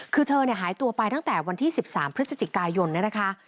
คือเธอหายตัวไปตั้งแต่วันที่๑๓พฤศจิกายนเนี่ยนะคะ